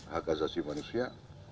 hak asasi manusia